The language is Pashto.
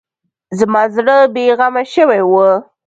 زما زړه بې غمه شوی و.